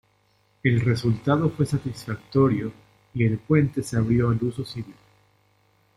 El resultado fue satisfactorio y el puente se abrió al uso civil.